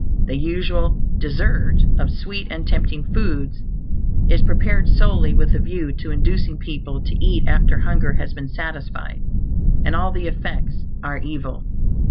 The usual "dessert" of sweet and tempting foods is prepared solely with a view to inducing people to eat after hunger has been satisfied; and all the effects are evil.